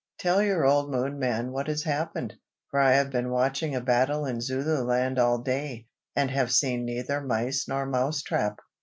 Tell your old Moonman what has happened, for I have been watching a battle in Zululand all day, and have seen neither mice nor mouse trap."